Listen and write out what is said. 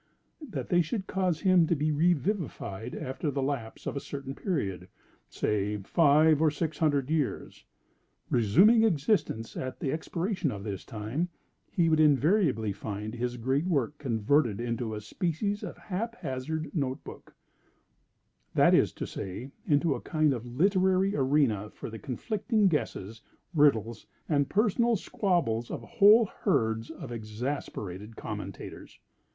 that they should cause him to be revivified after the lapse of a certain period—say five or six hundred years. Resuming existence at the expiration of this time, he would invariably find his great work converted into a species of hap hazard note book—that is to say, into a kind of literary arena for the conflicting guesses, riddles, and personal squabbles of whole herds of exasperated commentators.